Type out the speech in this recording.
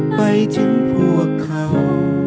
ไปถึงพวกเขา